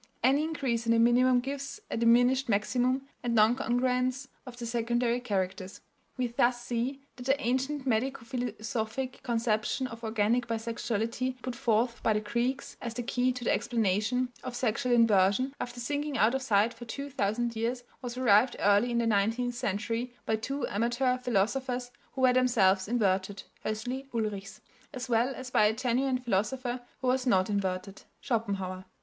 Any increase in the minimum gives a diminished maximum and non congruence of the secondary characters. We thus see that the ancient medico philosophic conception of organic bisexuality put forth by the Greeks as the key to the explanation of sexual inversion, after sinking out of sight for two thousand years, was revived early in the nineteenth century by two amateur philosophers who were themselves inverted (Hössli, Ulrichs), as well as by a genuine philosopher who was not inverted (Schopenhauer).